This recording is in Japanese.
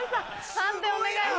判定お願いします。